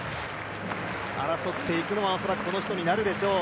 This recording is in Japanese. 争っていくのは恐らくこの人になるでしょう。